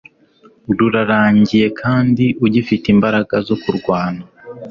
rurarangiye kandi ugifite imbaraga zokurwana